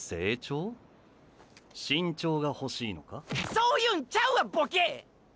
そういうんちゃうわボケ！！